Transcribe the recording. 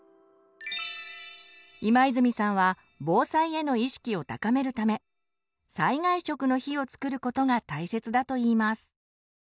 今泉さんは防災への意識を高めるため「災害食の日」を作ることが大切だといいます。